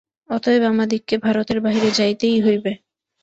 অতএব আমাদিগকে ভারতের বাহিরে যাইতেই হইবে।